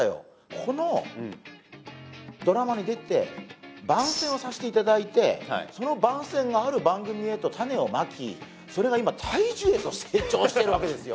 このドラマに出て番宣をさせていただいてその番宣がある番組へと種をまきそれが今大樹へと成長してるわけですよ